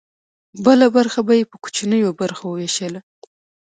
بله برخه به یې په کوچنیو برخو ویشله.